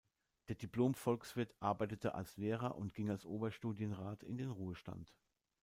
Der Diplom-Volkswirt arbeitete als Lehrer und ging als Oberstudienrat in den Ruhestand.